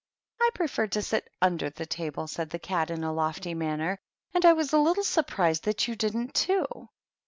" I preferred to sit under the table," said the Cat, in a lofty manner ;" and I was a little surprised that you didn't, too."